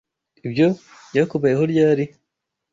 Ibyo byakubayeho ryari?